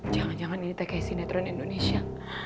jangan jangan ini kayak sinetron indonesia